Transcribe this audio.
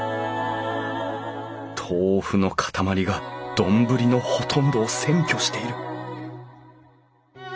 豆腐の塊が丼のほとんどを占拠している！